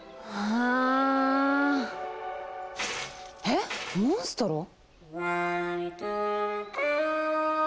えっモンストロ？